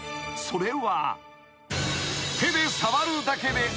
それは］